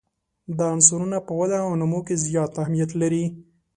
دا عنصرونه په وده او نمو کې زیات اهمیت لري.